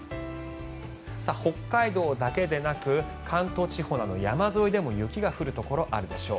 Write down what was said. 北海道だけでなく関東地方などの山沿いでも雪が降るところ、あるでしょう。